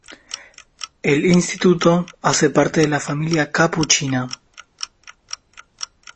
El instituto hace parte de la Familia Capuchina.